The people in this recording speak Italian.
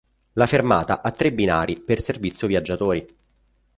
La fermata ha tre binari per servizio viaggiatori.